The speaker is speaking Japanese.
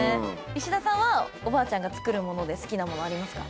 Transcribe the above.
石田さんはおばあちゃんが作る物で好きな物ありますか？